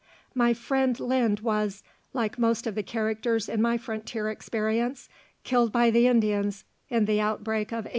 My friend Lynd was, like most of the characters in my frontier experience, killed by the Indians in the outbreak of 1862.